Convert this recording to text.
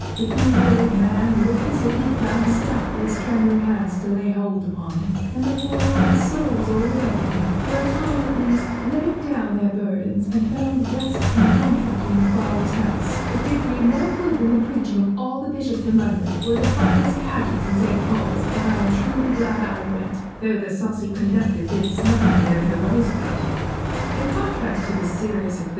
The feeble old man looked as if he had found a staff for his trembling hands to lay hold upon, and the forlorn souls all about me, for a time at least, laid down their burdens and found rest and comfort in their Father's house. It did me more good than the preaching of all the bishops in London, or the finest pageant at St. Paul's; and I am truly glad I went, though the saucy conductor did smirk at me over the rosebud.'